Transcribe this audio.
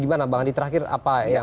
gimana bang andi terakhir apa yang